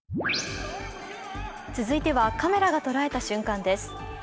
続いてはカメラがとらえた瞬間です。